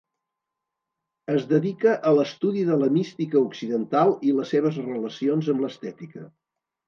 Es dedica a l'estudi de la mística occidental i les seves relacions amb l'estètica.